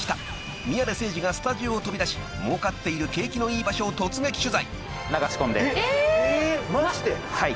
［宮根誠司がスタジオを飛び出しもうかっている景気のいい場所を突撃取材］